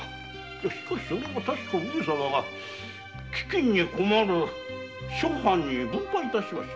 しかしそれは上様が飢饉に困る諸藩に分配致しました。